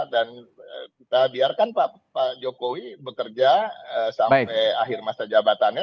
dan kita biarkan pak jokowi bekerja sampai akhir masa jabatannya